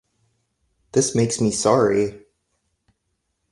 This makes me sorry.